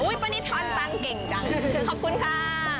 อุ๊ยปะนิดอ่อนตังเก่งจังขอบคุณค่ะ